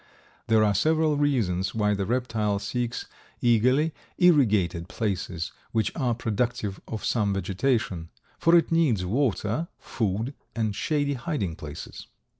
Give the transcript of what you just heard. There are several reasons why the reptile seeks eagerly irrigated places, which are productive of some vegetation, for it needs water, food and shady hiding places.